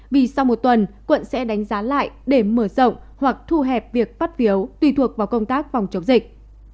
vì sau một tuần quận sẽ đánh giá lại để mở rộng hoặc thu hẹp việc phát phiếu tùy thuộc vào công tác phòng chống dịch